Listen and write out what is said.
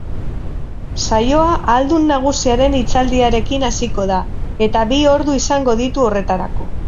Saioa ahaldun nagusiaren hitzaldiarekin hasiko da, eta bi ordu izango ditu horretarako.